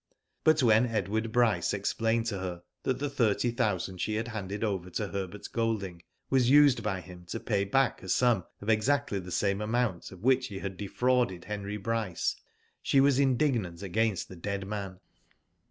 But when Edward Bryce explained to her that the thirty thousand she had handed over to Herbert Golding was used by him to pay back a sum of exactly the same amount of which he had defrauded Henry Bryce, she was indignant against the dead man.